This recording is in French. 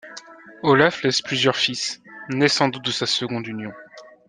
Olaf laisse plusieurs fils, nés sans doute de sa seconde union.